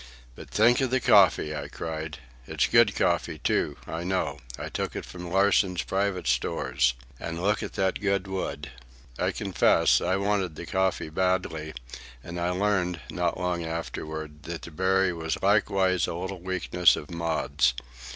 "But think of the coffee!" I cried. "It's good coffee, too, I know. I took it from Larsen's private stores. And look at that good wood." I confess, I wanted the coffee badly; and I learned, not long afterward, that the berry was likewise a little weakness of Maud's.